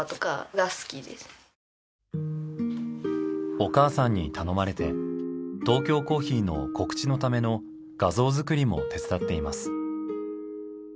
お母さんに頼まれてトーキョーコーヒーの告知のための画像作りも手伝っています。